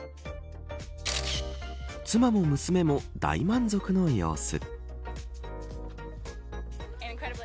妻も娘も大満足の様子。